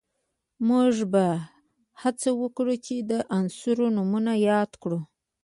موږ به هڅه وکړو چې د عناصرو نومونه یاد کړو